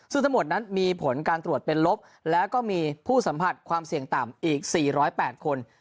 ซึ่งทั้งหมดนั้นมีผลการตรวจเป็นลบแล้วก็มีผู้สัมผัสความเสี่ยงต่ำอีก๔๐๘คน